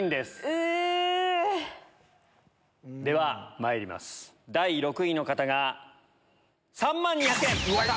ではまいります第６位の方が３万２００円。